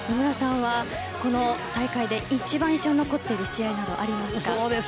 この大会で一番印象に残っている試合はありますか。